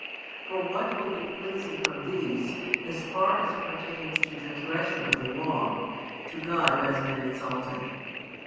For what will be pleasing from these, as far as pertains to transgression of the Law, to God who has been insulted?